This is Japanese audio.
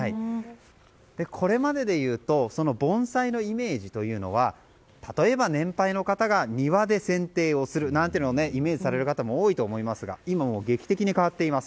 これまででいうと盆栽のイメージというのは例えば年配の方が庭で剪定をするなんていうのをイメージされる方も多いと思いますが今は劇的に変わっています。